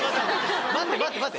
待って待って待って！